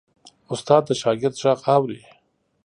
استاد د شاګرد غږ اوري.